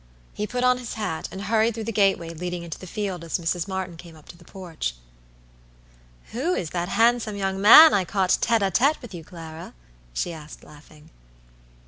He put on his hat, and hurried through the gateway leading into the field as Mrs. Martyn came up to the porch. "Who is that handsome young man I caught tête a tête with you, Clara?" she asked, laughing.